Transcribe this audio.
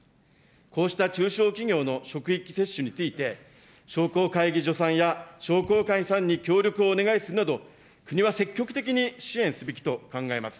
こうした中小企業の職域接種について、商工会議所さんや商工会さんに協力をお願いするなど、国は積極的に支援すべきと考えます。